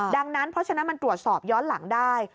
ดังนั้นเพราะฉะนั้นมันตรวจสอบย้อนหลังได้